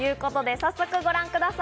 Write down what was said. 早速ご覧ください。